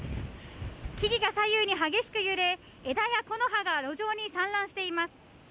木々が左右に激しく揺れ、枝や木の葉が路上に散乱しています。